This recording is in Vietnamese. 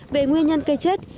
về nguyên nhân cây chết